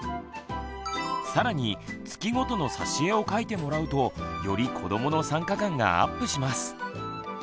さらに月ごとのさし絵を描いてもらうとより子どもの参加感がアップします。